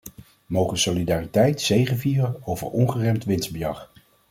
Moge solidariteit zegevieren over ongeremd winstbejag.